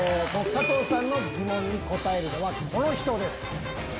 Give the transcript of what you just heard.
加藤さんのギモンに答えるのはこの人です。